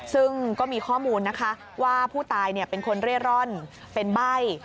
ซึ่งก็มีข้อมูลนะคะว่าผู้ตายเป็นคนเร่ร่อนเป็นใบ้